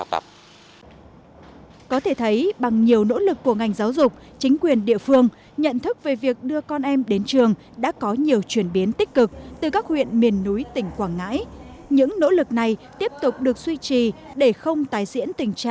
các bạn hãy đăng ký kênh để ủng hộ kênh của chúng mình nhé